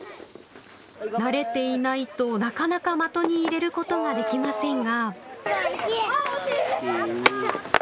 慣れていないと、なかなか的に入れることができませんが。